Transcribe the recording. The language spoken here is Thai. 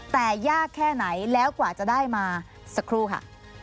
แต่ยากแค่ไหนแล้วกว่าจะได้มาสักครู่ค่ะ